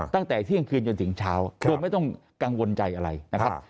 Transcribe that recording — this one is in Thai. ตั้งแต่เที่ยงคืนจนถึงเช้าโดยไม่ต้องกังวลใจอะไรนะครับ